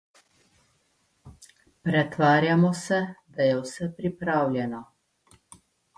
Pretvarjamo se, da je vse pripravljeno.